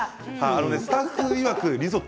スタッフいわくリゾット